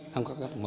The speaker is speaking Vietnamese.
không có cách nào